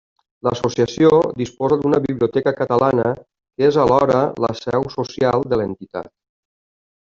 L'Associació disposa d'una Biblioteca Catalana que és alhora la seu social de l'Entitat.